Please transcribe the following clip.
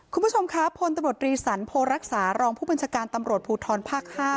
คุณผู้ชมค่ะผลตมตรีสรรโภรักษารองผู้บริจการตำรวจพูทอลภาคร๕